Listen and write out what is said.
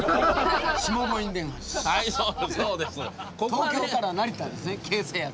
そうです。